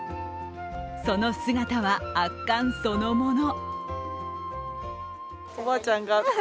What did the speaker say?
その姿は、圧巻そのもの。